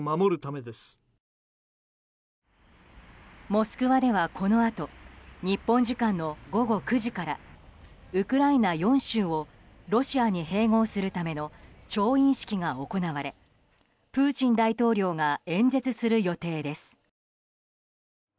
モスクワではこのあと日本時間の午後９時からウクライナ４州をロシアに併合するための調印式が行われプーチン大統領が演説する予定です。